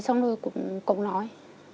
xong rồi cũng nói